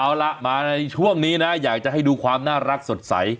เอาล่ะมาในช่วงนี้นะอยากจะให้ดูความน่ารักสดใส